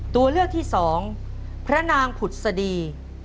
ตัวเลือกที่สองพระนางผุดสดี